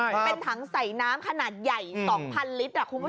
เป็นถังใส่น้ำขนาดใหญ่๒๐๐ลิตรคุณผู้ชม